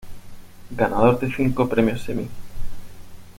Ganador de cinco premios Emmy.